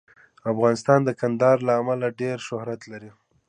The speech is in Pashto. افغانستان د کندهار له امله ډېر شهرت لري.